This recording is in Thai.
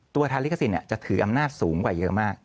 ตัวทางลิขสิทธิ์จะถืออำนาจสูงกว่าเยอะมาก